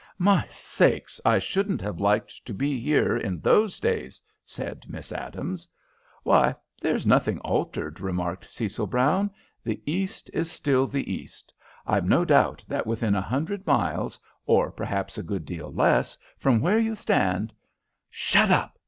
"My sakes, I shouldn't have liked to be here in those days," said Miss Adams. "Why, there's nothing altered," remarked Cecil Brown. "The East is still the East. I've no doubt that within a hundred miles, or perhaps a good deal less, from where you stand " "Shut up!"